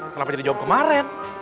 kenapa jadi jawab kemaren